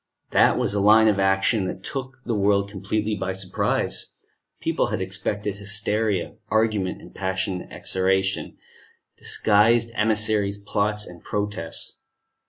That was a line of action that took the world completely by surprise. People had expected hysteria, argument, and passionate exhortation; disguised emissaries, plots, and protests.